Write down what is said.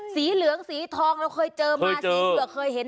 สีเหลืองสีทองเราเคยเจอมาสีเผื่อเคยเห็น